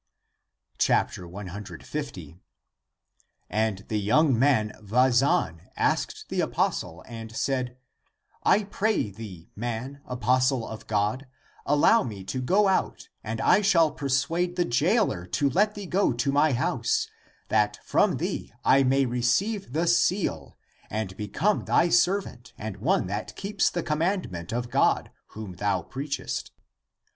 (Aa. pp. 259 261.) 150. And the young man Vazan asked the apos tle and said, I pray thee, man,^ apostle of God, allow me to go out and I shall persuade the jailer to let thee go to my house, that from thee I may re ceive the seal and become thy servant and one that keeps the commandment of God whom thou preachest.